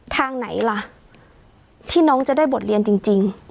ทางไหนล่ะที่น้องจะได้บทเรียนจริง